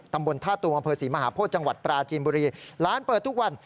ตำบลท่าตูมอำเภอศรีมหาโพธิจังหวัดปราจีนบุรีร้านเปิดทุกวัน